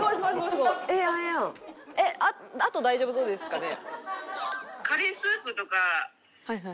あと大丈夫そうですかね？